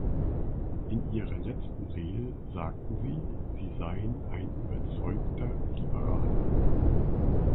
In Ihrer letzten Rede sagten Sie, Sie seien ein überzeugter Liberaler.